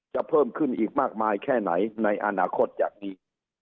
เพิ่มขึ้นอีกมากมายแค่ไหนในอนาคตจากนี้